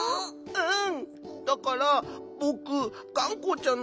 うん。